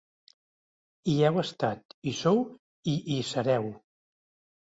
Hi heu estat, hi sou i hi sereu.